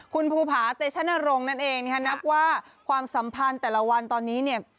คุณภูผาเตชนรงค์นั่นเองนะคะนับว่าความสัมพันธ์แต่ละวันตอนนี้เนี่ย